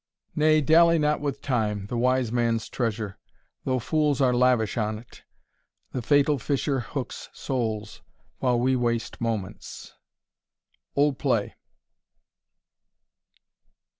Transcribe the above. Nay, dally not with time, the wise man's treasure, Though fools are lavish on't the fatal Fisher Hooks souls, while we waste moments. OLD PLAY.